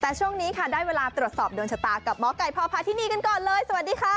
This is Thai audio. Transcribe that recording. แต่ช่วงนี้ค่ะได้เวลาตรวจสอบโดนชะตากับหมอไก่พอพาที่นี่กันก่อนเลยสวัสดีค่ะ